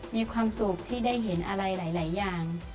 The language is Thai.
มีความสุขที่ได้เห็นอะไรหลายอย่าง